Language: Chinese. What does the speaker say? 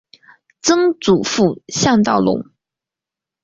曾祖父向道隆。